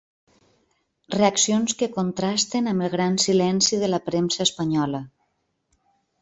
Reaccions que contrasten amb el gran silenci de la premsa espanyola.